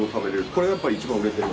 これがやっぱり一番売れてる。